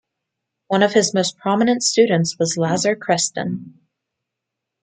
One of his most prominent students was Lazar Krestin.